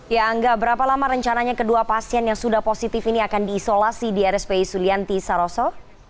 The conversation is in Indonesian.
ya angga berapa lama rencananya kedua pasien yang sudah positif ini akan diisolasi di rspi sulianti saroso